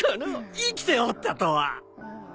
生きておったとは。